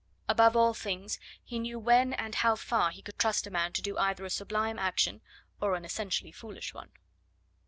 Above all things, he knew when and how far he could trust a man to do either a sublime action or an essentially foolish one.